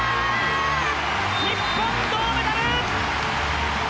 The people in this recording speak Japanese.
日本、銅メダル！